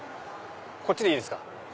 こっちでいいですか？